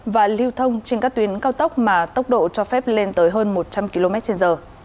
và lưu thông trên các tuyến cao tốc mà tốc độ cho phép lên tới hơn một trăm linh km trên giờ